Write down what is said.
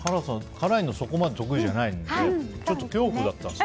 辛いのそこまで得意じゃないから恐怖だったんですよ。